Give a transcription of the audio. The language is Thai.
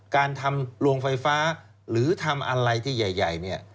การทำลวงไฟฟ้าหรือทำอะไรที่ใหญ่